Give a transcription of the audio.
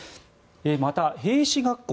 また、兵士学校